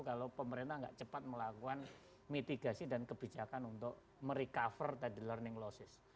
kalau pemerintah tidak cepat melakukan mitigasi dan kebijakan untuk merecover dari learning losses